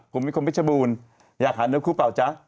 ผมไม่ควรไปฉบูนอยากหาก็หันเรื่องคมหรอเปล่าจ๊ะ